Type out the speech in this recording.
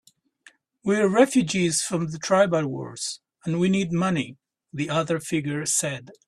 "We're refugees from the tribal wars, and we need money," the other figure said.